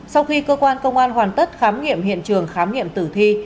sau khi cơ quan công an hoàn tất khám nghiệm hiện trường khám nghiệm tử thi